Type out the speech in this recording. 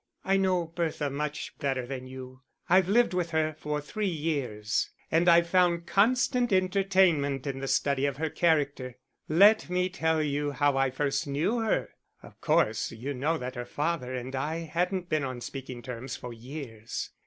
"I know Bertha so much better than you. I've lived with her for three years, and I've found constant entertainment in the study of her character.... Let me tell you how I first knew her. Of course you know that her father and I hadn't been on speaking terms for years.